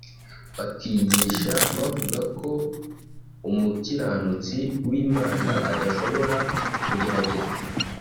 bakigisha bavuga ko umukiranutsi w’Imana adashobora kugeragezwa